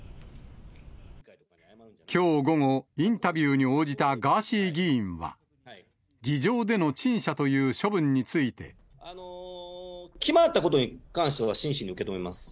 きょう午後、インタビューに応じたガーシー議員は、決まったことに関しては真摯に受け止めます。